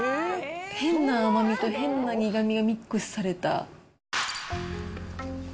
変な甘みと変な苦みがミックスされた。